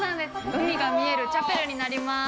海が見えるチャペルになります。